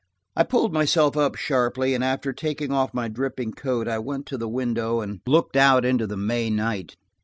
I pulled myself up sharply and after taking off my dripping coat, I went to the window and looked out into the May night.